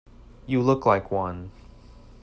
You look like one.